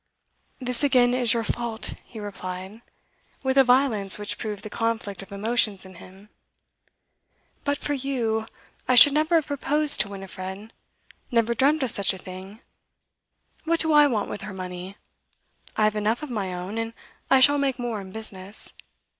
'This again is your fault,' he replied, with a violence which proved the conflict of emotions in him. 'But for you, I should never have proposed to Winifred never dreamt of such a thing. What do I want with her money? I have enough of my own, and I shall make more in business.